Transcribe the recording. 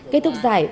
kết thúc giải